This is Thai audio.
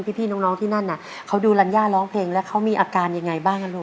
พี่น้องที่นั่นน่ะเขาดูรัญญาร้องเพลงแล้วเขามีอาการยังไงบ้างลูก